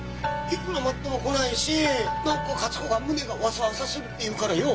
いくら待っても来ないし何か勝子が胸がワサワサするって言うからよ